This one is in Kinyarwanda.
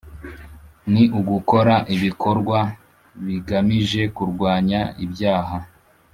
Ni ugukora ibikorwa bigamije kurwanya ibyaha